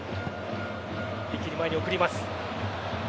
一気に前に送ります。